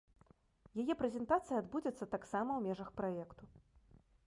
Яе прэзентацыя адбудзецца таксама ў межах праекту.